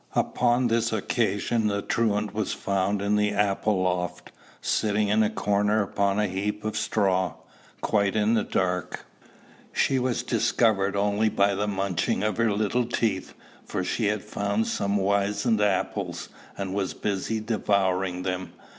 Upon this occasion the truant was found in the apple loft, sitting in a corner upon a heap of straw, quite in the dark. She was discovered only by the munching of her little teeth; for she had found some wizened apples, and was busy devouring them.